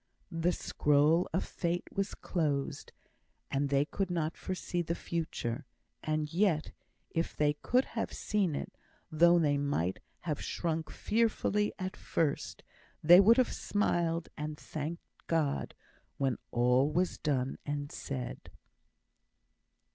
The scroll of Fate was closed, and they could not foresee the Future; and yet, if they could have seen it, though they might have shrunk fearfully at first, they would have smiled and thanked God when all was done and said.